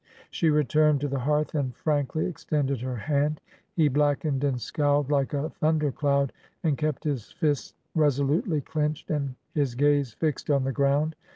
She returned to the hearth and frankly extended her hand. He blackened and scowled like a thunder cloud, and kept his fists reso lutely clinched* and his gaze fixed on the ground.